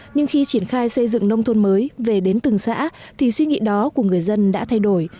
nhưng khi triển khai xây dựng nông thôn mới về đến từng xã thì suy nghĩ đó của người dân đã thay đổi